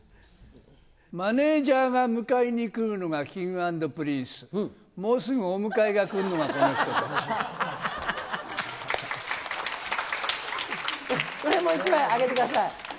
マネージャーが迎えに来るのがＫｉｎｇ＆Ｐｒｉｎｃｅ、もうすぐお迎えが来るのがこの人これも１枚あげてください。